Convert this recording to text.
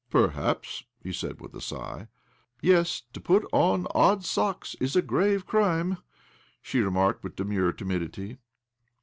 "Perhaps," he said with a sigh. " Yes, to put on odd socks is a grave crime," she remarked with demure timidity.